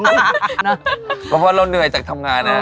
เพราะว่าเราเหนื่อยจากทำงานนะ